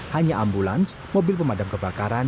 hanya ambulans mobil pemadam kebakaran